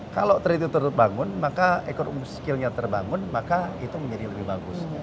kalau trade itu terbangun maka ekonomi skillnya terbangun maka itu menjadi lebih bagus